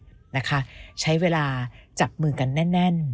เราจะค่อยทำให้ที่บ้านยอมรับเป็นความรักของเราให้ได้